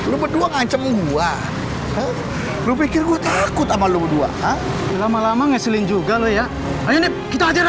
lu berdua ngacem gua lu pikir gua takut sama lu dua lama lama ngeselin juga lu ya ayo kita aja aja